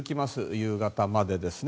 夕方までですね。